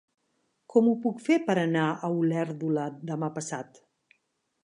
Com ho puc fer per anar a Olèrdola demà passat?